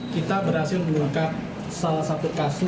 kita berhasil mengangkat salah satu kas